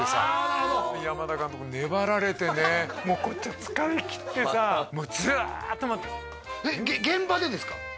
なるほど山田監督粘られてねもうこっちは疲れきってさもうずっと待ってる現場でですか？